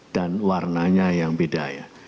dan warnanya yang beda ya